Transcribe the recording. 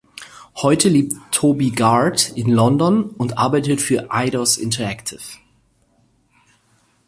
Heute lebt Toby Gard in London und arbeitet für Eidos Interactive.